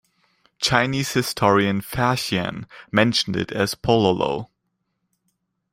Chinese historian Faxian mentioned it as Pololo.